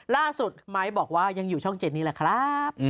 ล่าสุดไมค์บอกว่ายังอยู่ช่องเศษนี้แหละครับ